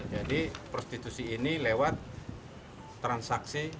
prostitusi ini lewat transaksi